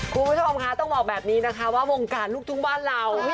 คุณผู้ชมคะต้องบอกแบบนี้นะคะว่าวงการลูกทุ่งบ้านเรา